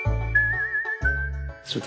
ちょっと。